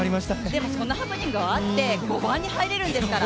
でもそんなハプニングがあって５番に入れるんですから。